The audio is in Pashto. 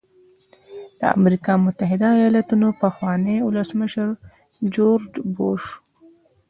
د امریکا متحده ایالاتو پخواني ولسمشر جورج بوش.